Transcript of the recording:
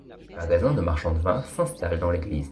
Un magasin de marchand de vin s'installe dans l'église.